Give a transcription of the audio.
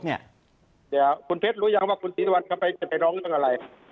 เดี๋ยวคุณเพชรรู้ยังว่าคุณศรีสุวรรณจะไปร้องเรื่องอะไร